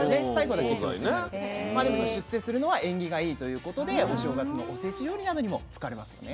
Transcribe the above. まあでもその出世するのは縁起がいいということでお正月のおせち料理などにも使われますよね。